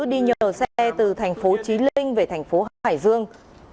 đi nhờ xe từ thành phố trí linh về thành phố hải dương